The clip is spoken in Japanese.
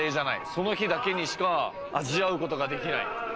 その日だけにしか味わうことができない。